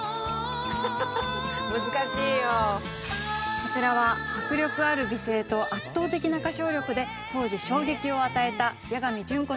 こちらは迫力ある美声と圧倒的な歌唱力で当時衝撃を与えた八神純子さんの代表曲です。